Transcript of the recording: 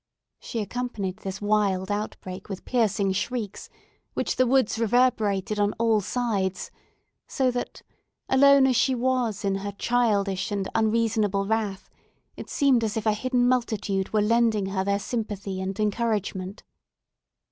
She accompanied this wild outbreak with piercing shrieks, which the woods reverberated on all sides, so that, alone as she was in her childish and unreasonable wrath, it seemed as if a hidden multitude were lending her their sympathy and encouragement.